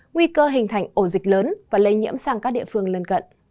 nguy cơ hình thành ổ dịch lớn và lây nhiễm sang các địa phương lân cận